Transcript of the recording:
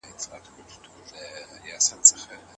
کله چې نظم وي، ګډوډي به پیدا نه شي.